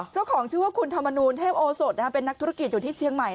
เจ้าของชื่อว่าคุณธรรมนูลเทพโอสดเป็นนักธุรกิจอยู่ที่เชียงใหม่